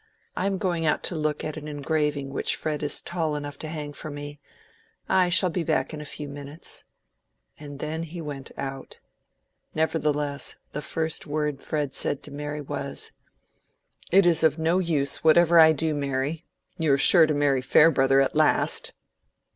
I am going to look out an engraving which Fred is tall enough to hang for me. I shall be back in a few minutes." And then he went out. Nevertheless, the first word Fred said to Mary was— "It is of no use, whatever I do, Mary. You are sure to marry Farebrother at last."